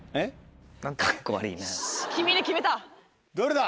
どれだ？